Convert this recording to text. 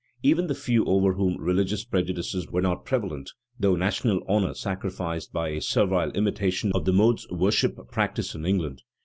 Even the few over whom religious prejudices were not prevalent, thought national honor sacrificed by a servile imitation of the modes worship practised in England.